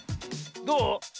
どう？